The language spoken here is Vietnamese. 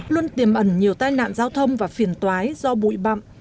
luôn tiềm ẩn nhiều tai nạn giao thông và phiền toái do bụi bậm